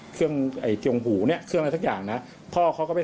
เครื่องไอ้จงหูเนี่ยเครื่องอะไรสักอย่างนะพ่อเขาก็ไป